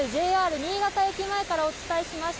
新潟駅前からお伝えしました。